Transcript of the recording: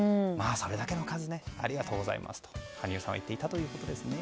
それだけの数ありがとうございますと羽生さんは言っていたということですね。